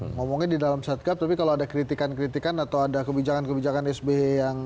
ngomongnya di dalam satgas tapi kalau ada kritikan kritikan atau ada kebijakan kebijakan sby yang